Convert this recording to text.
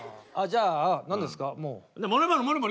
じゃあ何ですか？